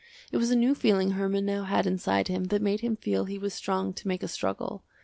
It was a new feeling Herman now had inside him that made him feel he was strong to make a struggle.